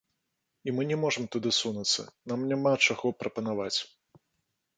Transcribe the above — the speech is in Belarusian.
І мы не можам туды сунуцца, нам няма чаго прапанаваць.